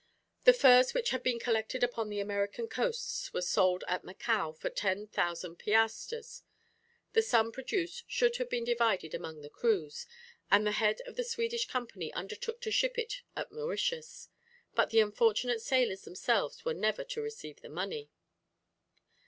The furs which had been collected upon the American coasts were sold at Macao for ten thousand piastres. The sum produced should have been divided among the crews, and the head of the Swedish company undertook to ship it at Mauritius; but the unfortunate sailors themselves were never to receive the money.